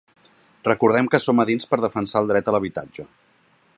Recordem que som a dins per defensar el dret a l’habitatge.